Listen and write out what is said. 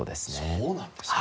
そうなんですか。